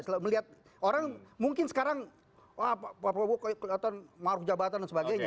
kalau melihat orang mungkin sekarang pak prabowo kelihatan maruf jabatan dan sebagainya